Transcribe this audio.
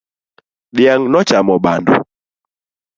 Dhiang' nochamo bando